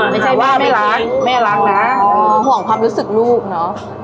ไม่ใช่ว่าไม่รักแม่รักนะห่วงความรู้สึกลูกเนอะ